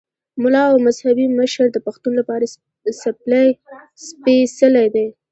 ملا او مذهبي مشر د پښتون لپاره سپېڅلی دی.